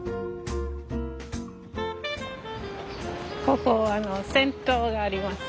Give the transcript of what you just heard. ここ銭湯があります。